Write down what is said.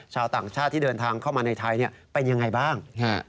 ชาวต่างชาติที่เดินทางเข้ามาในไทยเป็นยังไงบ้าง